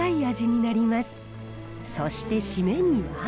そして締めには。